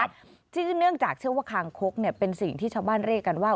เนื่องจากเชื่อว่าคางคกเป็นสิ่งที่ชาวบ้านเรียกกันว่า